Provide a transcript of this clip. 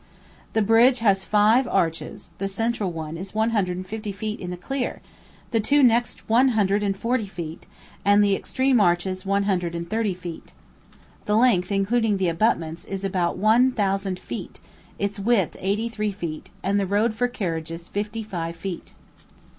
The bridge has five arches; the central one is one hundred and fifty feet in the clear, the two next one hundred and forty feet, and the extreme arches one hundred and thirty feet. The length, including the abutments, is about one thousand feet, its width eighty three feet, and the road for carriages fifty five feet.